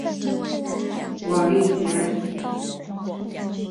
瓦利吉埃。